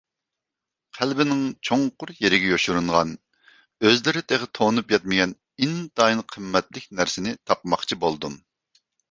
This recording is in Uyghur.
قەلبىنىڭ چوڭقۇر يېرىگە يوشۇرۇنغان، ئۆزلىرى تېخى تونۇپ يەتمىگەن ئىنتايىن قىممەتلىك نەرسىنى تاپماقچى بولدۇم.